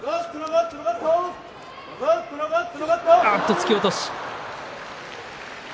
突き落とし。